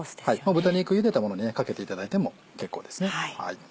豚肉ゆでたものにかけていただいても結構ですね。